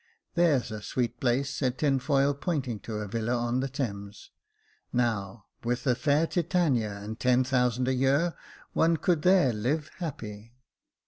" There's a sweet place," said Tinfoil, pointing to a villa on the Thames. "Now, with the fair Titania and ten thousand a year, one could there live happy."